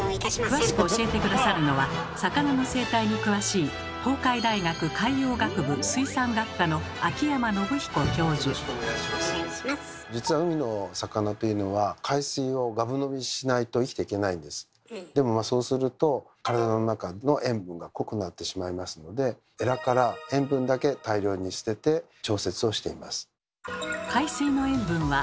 詳しく教えて下さるのは魚の生態に詳しい実は海の魚というのはでもそうすると体の中の塩分が濃くなってしまいますのでエラから塩分だけ大量に捨てて調節をしています。